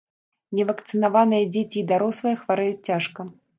Невакцынаваныя дзеці і дарослыя хварэюць цяжка.